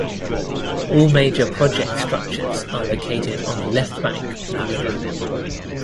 All major project structures are located on the left bank of the river.